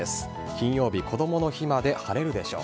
金曜日こどもの日まで晴れるでしょう。